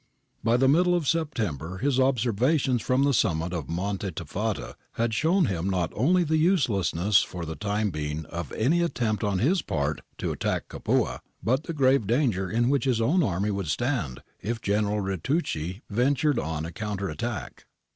By the middle of September his observations from the summit of Monte Tifata ^ had shown him not only the uselessness for the time being of any attempt on his part to attack Capua, but the grave danger in which his own army would stand if General Ritucci ventured on a counter attack.